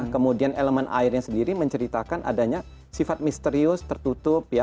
kemudian elemen airnya sendiri menceritakan adanya sifat misterius tertutup